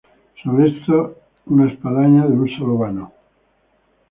Sobre este una espadaña de un solo vano.